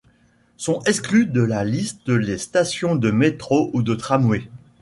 Sont exclues de la liste les stations de métro ou de tramway.